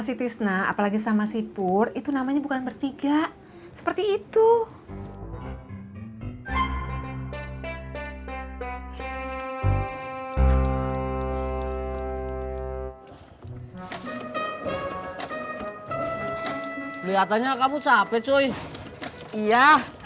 si tisna apalagi sama sipur itu namanya bukan bertiga seperti itu lihatnya kamu capek coy iya